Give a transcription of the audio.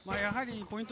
ポイント